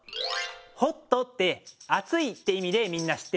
「ＨＯＴ」ってあついっていみでみんなしってるよね。